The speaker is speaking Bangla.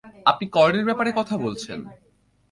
আপনি কর্ণের ব্যাপারে কথা বলছেন।